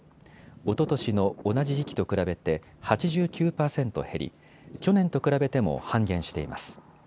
おととしの同じ時期と比べて８９％減り、去年と比べても半減しています。